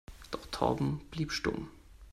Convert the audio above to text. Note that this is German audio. Doch Torben blieb stumm.